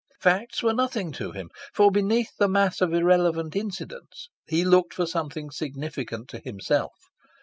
Facts were nothing to him, for beneath the mass of irrelevant incidents he looked for something significant to himself.